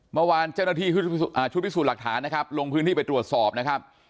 เมื่อวานเจ้าหน้าที่ชุดพิสูจน์หลักฐานนะครับลงพื้นที่ไปตรวจสอบนะครับ